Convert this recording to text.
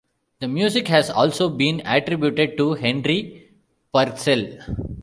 The music has also been attributed to Henry Purcell.